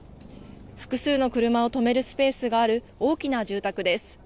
複数の車を止めるスペースがある大きな住宅です。